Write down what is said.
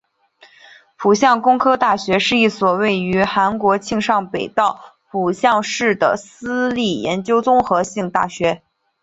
浦项工科大学是一所位于韩国庆尚北道浦项市的私立研究型综合大学。